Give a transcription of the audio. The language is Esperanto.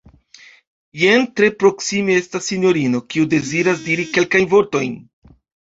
Jen tre proksime estas sinjorino, kiu deziras diri kelkajn vortojn.